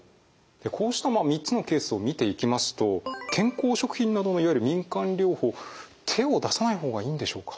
こうした３つのケースを見ていきますと健康食品などのいわゆる民間療法手を出さない方がいいんでしょうか？